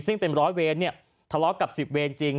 ซึ่งเป็นร้อยเวรทะเลาะกับ๑๐เวรจริง